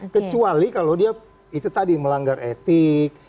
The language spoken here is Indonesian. kecuali kalau dia itu tadi melanggar etik